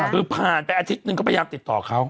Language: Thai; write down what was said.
คือผ่านไปอาทิตย์หนึ่งก็พยายามติดต่อเขา